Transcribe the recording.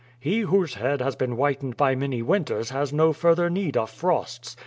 "He whose head has been whitened by many winters has no further need of frosts.